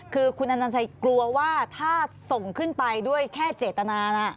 คือคุณอนัญชัยกลัวว่าถ้าส่งขึ้นไปด้วยแค่เจตนานะ